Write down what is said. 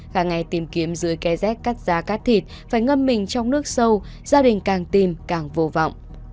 cả ngày tìm kiếm dưới ké rét cắt giá cắt thịt phải ngâm mình trong nước sâu gia đình càng tìm càng vô vọng